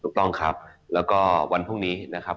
ถูกต้องครับแล้วก็วันพรุ่งนี้นะครับ